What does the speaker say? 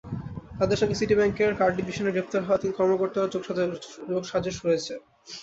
তাঁদের সঙ্গে সিটি ব্যাংকের কার্ড ডিভিশনের গ্রেপ্তার হওয়া তিন কর্মকর্তারও যোগসাজশ রয়েছে।